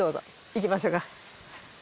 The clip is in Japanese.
行きましょうか。